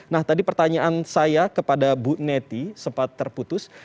nah tadi pertanyaan saya kepada bu neti sempat terputus